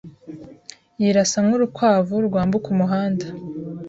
yirasa nk'urukwavu rwambuka umuhanda.